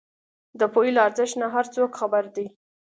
د پوهې له ارزښت نۀ هر څوک خبر دی